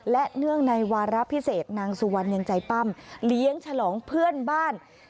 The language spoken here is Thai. และเนื่องในวาระพิเศษนางสุวรรณยังใจปั้มเลี้ยงฉลองเพื่อนบ้าน